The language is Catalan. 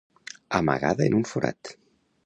Amagada en un forat.